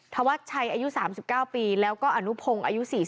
ตายหนึ่ง